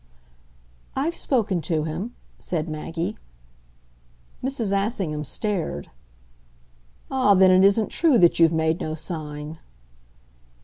"I've spoken to him," said Maggie. Mrs. Assingham stared. "Ah, then it isn't true that you've made no sign."